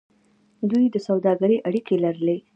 دوی د سوداګرۍ اړیکې لرلې.